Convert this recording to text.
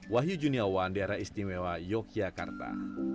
wahyu juniawan daerah istimewa yogyakarta